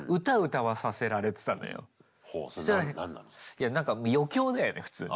いやなんか余興だよね普通に。